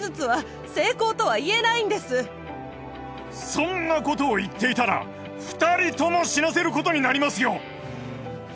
そんなことを言っていたら２人とも死なせることになりますよ